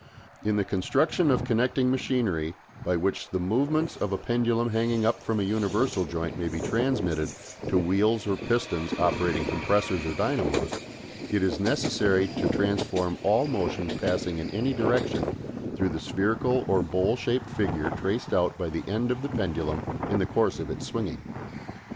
In the construction of connecting machinery by which the movements of a pendulum hanging up from a universal joint may be transmitted to wheels or pistons operating compressors or dynamos, it is necessary to transform all motions passing in any direction through the spherical or bowl shaped figure traced out by the end of the pendulum in the course of its swinging.